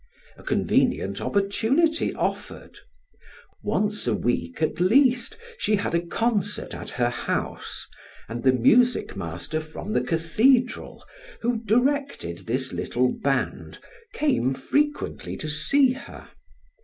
A convenient opportunity offered; once a week, at least, she had a concert at her house, and the music master from the cathedral, who directed this little band, came frequently to see her.